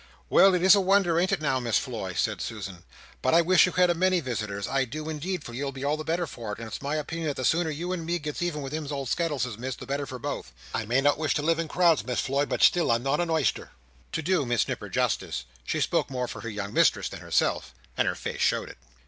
"Well, it is a wonder, ain't it now, Miss Floy?" said Susan; "but I wish you had a many visitors, I do, indeed, for you'd be all the better for it, and it's my opinion that the sooner you and me goes even to them old Skettleses, Miss, the better for both, I may not wish to live in crowds, Miss Floy, but still I'm not a oyster." To do Miss Nipper justice, she spoke more for her young mistress than herself; and her face showed it.